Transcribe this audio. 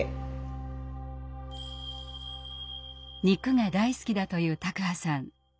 肉が大好きだという卓巴さん。